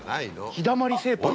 陽だまり製パン。